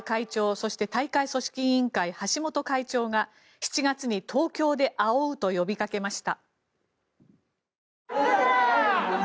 そして、大会組織委員会橋本会長が７月に東京で会おうと呼びかけました。